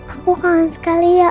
aku kangen sekali ya